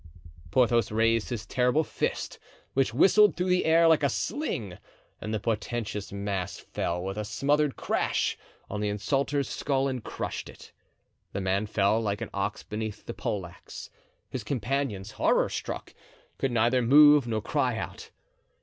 Porthos raised his terrible fist, which whistled through the air like a sling, and the portentous mass fell with a smothered crash on the insulter's skull and crushed it. The man fell like an ox beneath the poleaxe. His companions, horror struck, could neither move nor cry out.